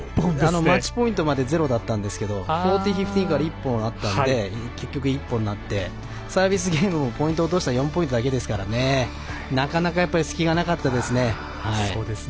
マッチポイントまでゼロだったんですけど４０−１５から１本あったので結局、１本になってサービスゲームも落としたの１本だけで隙がなかったですね。